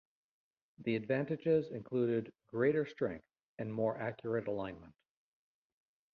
The advantages included greater strength and more accurate alignment.